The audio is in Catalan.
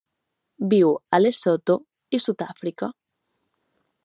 Viu a Lesotho i Sud-àfrica.